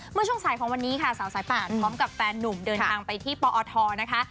เมื่อช่วงสายของวันนี้ค่ะสาวสายป่านพร้อมกับแฟนหนุ่มเดินทางไปที่ปอทนะคะ